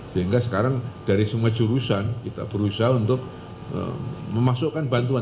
sehingga sekarang dari semua jurusan kita berusaha untuk memasukkan bantuan